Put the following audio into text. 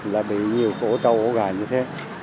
là bị nhiều ổ trâu ổ gà như thế